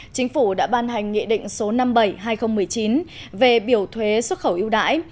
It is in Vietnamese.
chính phủ đã ban hành nghị định số năm mươi bảy hai nghìn một mươi chín về biểu thuế xuất khẩu yêu đãi